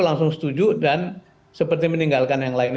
langsung setuju dan seperti meninggalkan yang lainnya